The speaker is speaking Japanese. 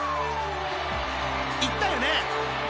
［いったよね⁉］